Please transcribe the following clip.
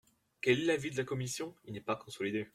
Quel est l’avis de la commission ? Il n’est pas consolidé.